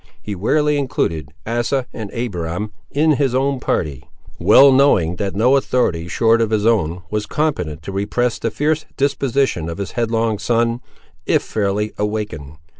He warily included Asa and Abiram in his own party, well knowing that no authority short of his own was competent to repress the fierce disposition of his headlong son, if fairly awakened.